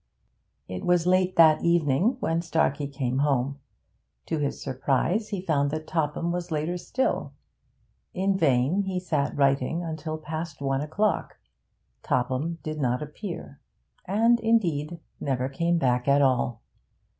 It was late that evening when Starkey came home; to his surprise he found that Topham was later still. In vain he sat writing until past one o'clock. Topham did not appear, and indeed never came back at all.